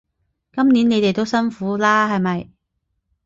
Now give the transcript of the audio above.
今年你哋都辛苦喇係咪？